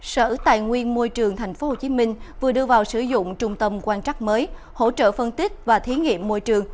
sở tài nguyên môi trường tp hcm vừa đưa vào sử dụng trung tâm quan trắc mới hỗ trợ phân tích và thí nghiệm môi trường